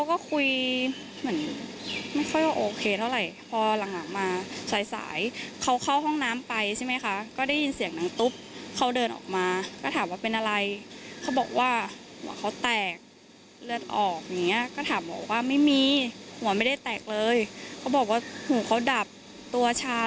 ออกอย่างเงี้ยก็ถามว่าไม่มีหัวไม่ได้แตกเลยเขาบอกว่าหูเขาดับตัวชาอะไรอย่าง